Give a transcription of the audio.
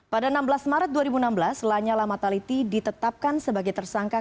pada enam belas maret dua ribu enam belas lanyala mataliti ditetapkan sebagai tersangka